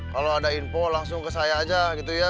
kalau ada info langsung ke saya aja gitu ya